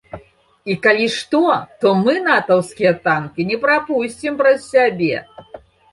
І калі што, то мы натаўскія танкі не прапусцім праз сябе.